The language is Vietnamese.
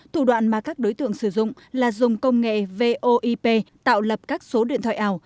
thủ đoạn mà các đối tượng sử dụng là dùng công nghệ voip tạo lập các số điện thoại ảo